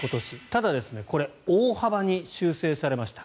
ただこれ大幅に修正されました。